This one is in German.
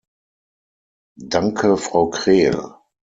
Danke, Frau Krehl.